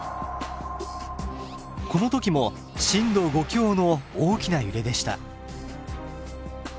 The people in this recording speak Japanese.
この時も震度５強の大きな揺れでした。